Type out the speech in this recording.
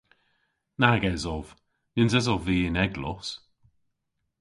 Nag esov. Nyns esov vy y'n eglos.